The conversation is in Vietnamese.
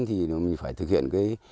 thì mình phải thực hiện cái